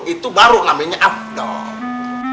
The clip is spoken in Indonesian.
itu baru namanya afdoh